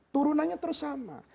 turunannya terus sama